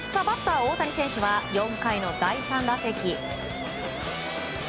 バッター大谷選手は４回の第３打席。